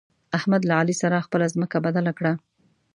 احمد له علي سره خپله ځمکه بدله کړه.